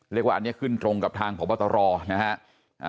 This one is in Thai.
เรียกว่าอันนี้ขึ้นตรงกับทางพบตรนะฮะ